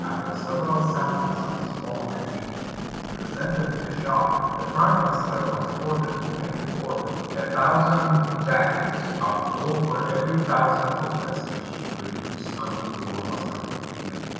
After several samples of his poem had been pre sented to the shah, the prime minister was ordered to pay the poet a thousand drachms of gold for every thousand couplets which he produced until the work was completed.